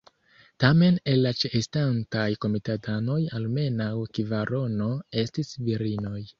Tamen el la ĉeestantaj komitatanoj almenaŭ kvarono estis virinoj.